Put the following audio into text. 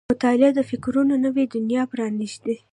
• مطالعه د فکرونو نوې دنیا پرانیزي.